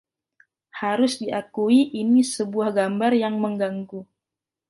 Harus diakui ini sebuah gambar yang mengganggu.